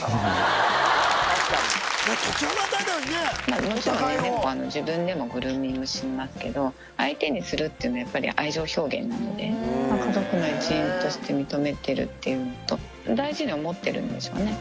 もちろん、猫は自分でもグルーミングしますけど、相手にするっていうのは、やっぱり愛情表現なので、家族の一員として認めてるっていう、大事に思ってるんでしょうね。